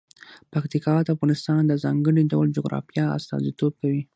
پکتیکا د افغانستان د ځانګړي ډول جغرافیه استازیتوب کوي.